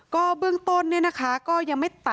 ก็เบื้องต้นเนี่ยนะคะ